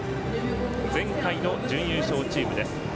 前回の準優勝チームです。